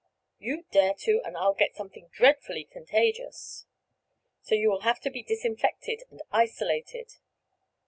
"You dare to and I'll get something dreadfully contagious, so you will have to be disinfected and isolated.